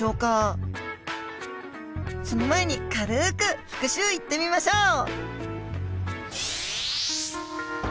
その前に軽く復習いってみましょう！